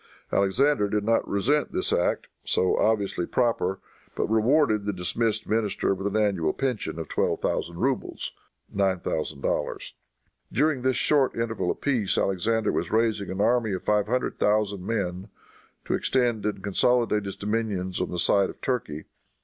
Alexander did not resent this act, so obviously proper, but rewarded the dismissed minister with an annual pension of twelve thousand rubles ($9,000). During this short interval of peace Alexander was raising an army of five hundred thousand men, to extend and consolidate his dominions on the side of Turkey.